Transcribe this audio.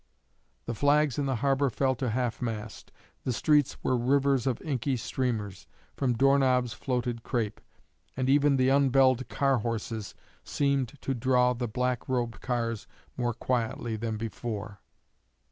The flags in the harbor fell to half mast; the streets were rivers of inky streamers; from door knobs floated crape; and even the unbelled car horses seemed to draw the black robed cars more quietly than before."